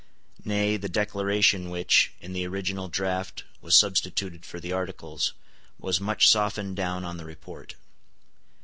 Nay, the Declaration which, in the original draught, was substituted for the Articles, was much softened down on the report.